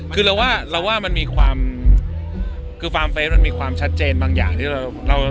คือเราว่าเราว่ามันมีความคือฟาร์มเฟสมันมีความชัดเจนบางอย่างที่เรา